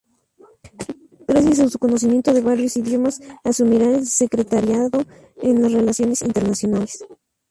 Gracias a su conocimiento de varios idiomas, asumirá el Secretariado en las Relaciones Internacionales.